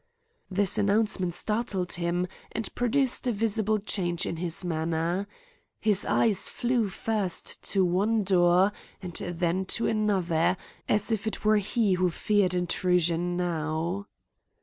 This announcement startled him and produced a visible change in his manner. His eyes flew first to one door and then to another, as if it were he who feared intrusion now.